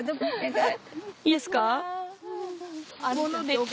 いいですか？